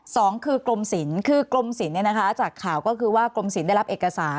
สองคือกลมสินคือกลมสินเนี่ยนะคะจากข่าวก็คือว่ากลมสินได้รับเอกสาร